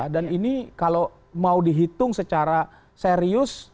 dan ini kalau mau dihitung secara serius